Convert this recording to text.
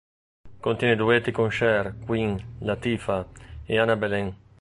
Contiene duetti con Cher, Queen Latifah e Ana Belén.